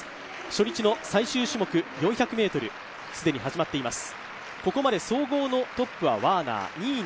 初日の最終種目、４００ｍ既に始まっております。